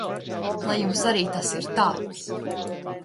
Lai jums arī tas ir tāds!